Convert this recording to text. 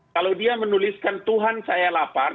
kalau dia menuliskan tuhan saya lapar